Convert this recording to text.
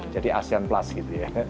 jadi asean plus gitu ya